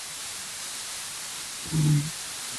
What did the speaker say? Al levantar la bandeja de la comida aparece el petiso Tiso.